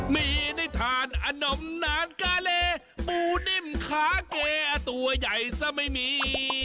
มีในน์ทานอนมรานกาเลปุ๊ยนิ่มขาเด้ตัวใหญ่ซ้ะไม่มี